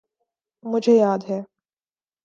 مجھے یاد ہے۔